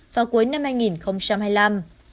vào cuối năm hai nghìn hai mươi năm